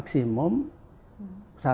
kita itu memiliki wakil yang berpengalaman